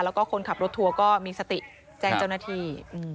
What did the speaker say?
แล้วก็คนขับรถทัวร์ก็มีสติแจ้งเจ้าหน้าที่